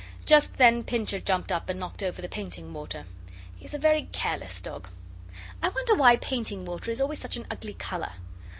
Just then Pincher jumped up and knocked over the painting water. He is a very careless dog. I wonder why painting water is always such an ugly colour?